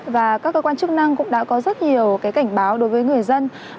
và các cơ quan chức năng cũng đã có rất nhiều cảnh báo đối với người dân